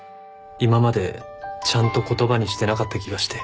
今までちゃんと言葉にしてなかった気がして。